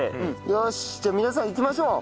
よしじゃあ皆さんいきましょう。